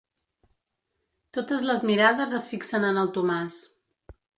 Totes les mirades es fixen en el Tomàs.